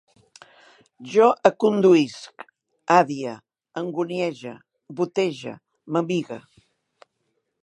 Jo aconduïsc, adie, anguniege, botege, m'amigue